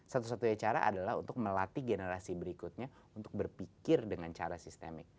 satu satunya cara adalah untuk melatih generasi berikutnya untuk berpikir dengan cara sistemik